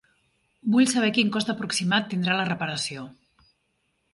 Vull saber quin cost aproximat tindrà la reparació.